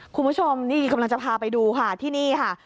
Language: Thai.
คุณผู้ชมนี่กำลังจะพาไปดูค่ะที่นี่ค่ะ